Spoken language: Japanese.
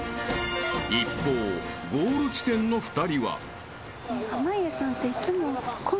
［一方ゴール地点の２人は］